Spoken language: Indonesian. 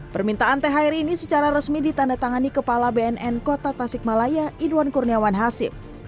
permintaan thr ini secara resmi ditandatangani kepala bnn kota tasikmalaya idwan kurniawan hasim